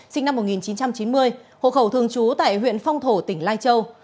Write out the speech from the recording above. sinh năm một nghìn chín trăm chín mươi hộ khẩu thường trú tại huyện phong thổ tỉnh lai châu